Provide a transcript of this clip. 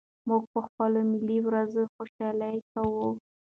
موږ په خپلو ملي ورځو خوشالي کوو.